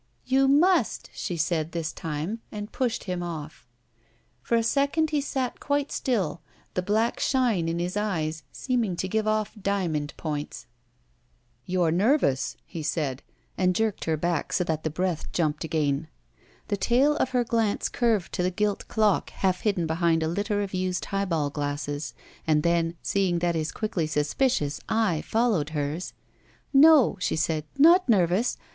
"You must," she said this time, and pushed him off. For a second he sat quite still, the black shine in his eyes seeming to give off diamond points. 247 ROULETTE "You're nervous/' he said, and jerked her bade so that the breath jumped again. The tail of her glance curved to the gilt dock half hidden behind a litter of used highball glasses, and then, seeing that his quiddy suspidous eye followed hers: No," she said, "not nervous.